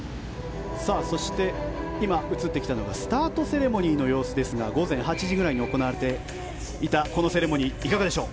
そして、今、映ってきたのがスタートセレモニーの様子ですが午前８時ぐらいに行われていたこのセレモニーいかがでしょう。